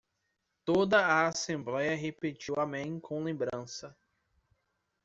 Toda a assembléia repetiu Amém com lembrança.